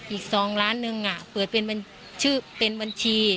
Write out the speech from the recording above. อีก๒ล้านหนึ่งอ่ะเปิดเป็นบัญชี